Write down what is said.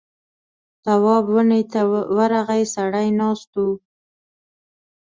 تواب ونه ته ورغی سړی ناست و.